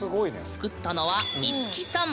作ったのはいつきさん。